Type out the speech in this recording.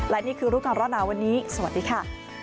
และนี่คือรู้ก่อนร้อนหนาวันนี้สวัสดีค่ะ